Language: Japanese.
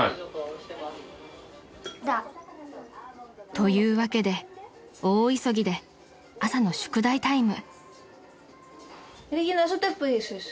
［というわけで大急ぎで朝の宿題タイム］